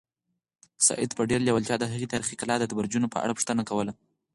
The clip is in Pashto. سعید په ډېرې لېوالتیا د هغې تاریخي کلا د برجونو په اړه پوښتنه کوله.